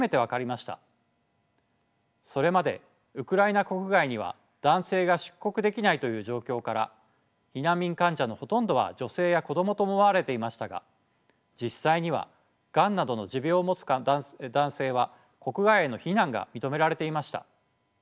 それまでウクライナ国外には男性が出国できないという状況から避難民患者のほとんどは女性や子供と思われていましたが実際にはがんなどの持病を持つ男性は国外への避難が認められていました。